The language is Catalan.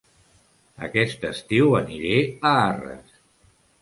Aquest estiu aniré a Arres